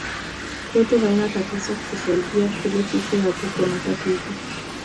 Kwetu haina tatizo kusaidia shule sisi hatukua na tatizo